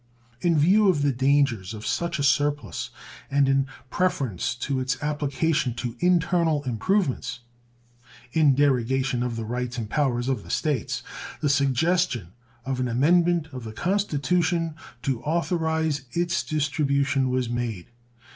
In view of the dangers of such a surplus, and in preference to its application to internal improvements in derogation of the rights and powers of the States, the suggestion of an amendment of the Constitution to authorize its distribution was made.